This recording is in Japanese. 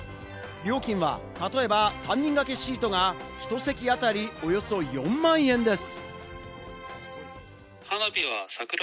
料金は例えば３人掛けシートがひと席あたり、およそ４万円です。